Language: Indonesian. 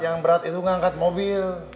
yang berat itu ngangkat mobil